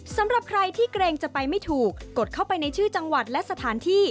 สำหรับใครที่เกรงจะไปไม่ถูกกดเข้าไปในชื่อจังหวัดและสถานที่